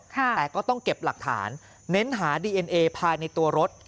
แต่ก็ต้องเก็บหลักฐานเน้นหาดีเอ็นเอภายในตัวรถ